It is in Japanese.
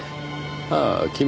ああ君